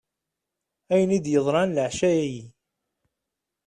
Ayen i d-yeḍran leɛca-ayi.